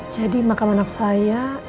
jadi makam anak saya